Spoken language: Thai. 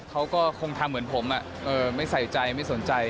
เขาก็คงทำเหมือนผมไม่ใส่ใจไม่สนใจ